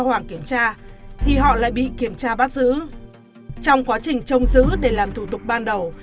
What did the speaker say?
hoàng kiểm tra thì họ lại bị kiểm tra bắt giữ trong quá trình trông giữ để làm thủ tục ban đầu